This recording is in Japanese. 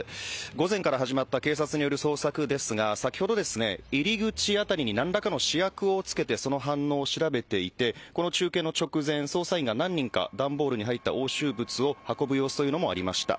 午前から始まった警察による捜索ですが、先ほど入り口あたりに何らかの試薬をつけてその反応を調べていて、この中継の直前、捜査員が何人か段ボールに入った押収物を運ぶ様子もありました。